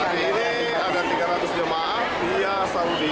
jadi ini ada tiga ratus jemaah biaya saudi